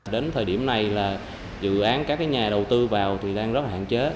đến thời điểm này là dự án các nhà đầu tư vào thì đang rất hạn chế